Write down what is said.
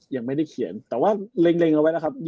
ยังไม่ได้เขียนแต่ว่าเล็งเอาไว้นะครับ